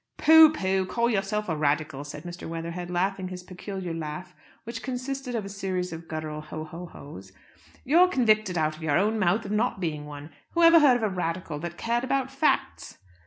"Pooh, pooh! Call yourself a Radical!" said Mr. Weatherhead, laughing his peculiar laugh, which consisted of a series of guttural ho, ho, ho's. "You're convicted out of your own mouth of not being one. Whoever heard of a Radical that cared about facts?"